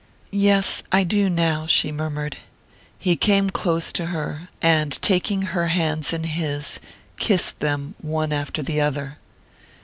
"Yes I do now," she murmured. He came close to her, and taking her hands in his, kissed them one after the other.